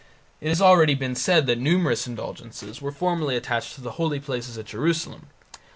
It has already been said that numerous indulgences were formerly attached to the holy places at Jerusalem.